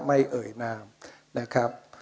เอ่ยนามนะครับ